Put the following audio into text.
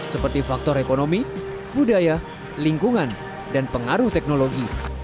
seperti faktor ekonomi budaya lingkungan dan pengaruh teknologi